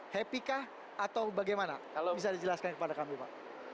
happy kah atau bagaimana bisa dijelaskan kepada kami pak